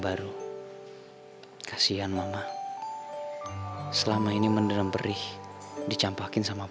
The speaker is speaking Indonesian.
baru kasihan mama selama ini mendalam perih dicampakin sama